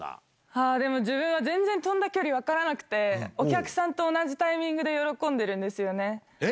ああ、でも、自分は全然飛んだ距離分からなくて、お客さんと同じタイミングでえ？